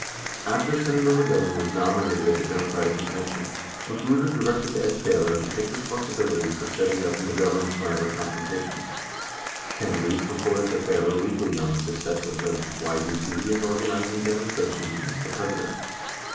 48 After Senator McGovern was nominated at the Democratic conven tion, Magruder directed Ed Failor to take responsibility for setting up "McGovern Shriver Confrontations." 47 Ken Rietz reported to Failor weekly on the success of the YVP in organizing demonstrations against the President.